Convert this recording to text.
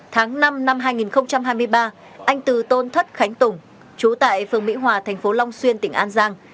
tháng năm năm hai nghìn hai mươi ba anh từ tôn thất khánh tùng chú tại phường mỹ hòa thành phố long xuyên tỉnh an giang